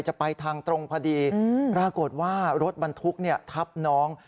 จะไปทางตรงพอดีปรากฏว่ารถบรรทุกทับน้อง